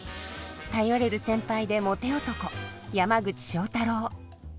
頼れる先輩でモテ男山口正太郎。